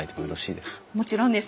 もちろんです。